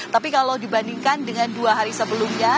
tapi kalau dibandingkan dengan dua hari sebelumnya